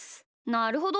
なるほど。